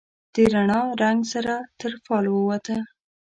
د رڼا، رنګ سره تر فال ووته